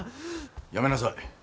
やめなさい。